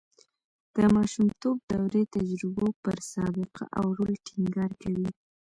د ماشومتوب دورې تجربو پر سابقه او رول ټینګار کوي